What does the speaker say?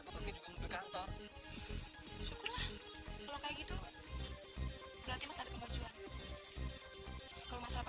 makan di rumah aja ya kita makan sama sama